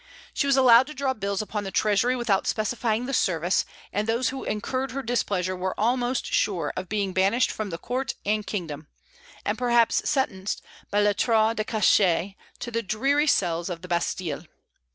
She was allowed to draw bills upon the treasury without specifying the service, and those who incurred her displeasure were almost sure of being banished from the court and kingdom, and perhaps sentenced, by lettre de cachet, to the dreary cells of the Bastille.